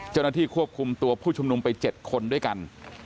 เจ้าหน้าที่ควบคุมตัวผู้ชุมนุมไป๗คนด้วยกัน